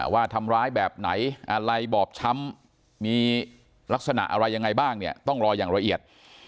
ว่าทำร้ายแบบไหนอะไรบอบช้ำมีลักษณะอะไรยังไงบ้างเนี่ยต้องรออย่างละเอียด